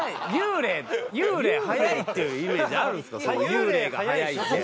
幽霊が速いって。